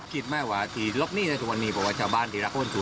คิดมั้ยว่าทีรอบนี้วันนี้ทุกวันนี้พวกให้ชาวบ้านคือแหละคนสวยกลัว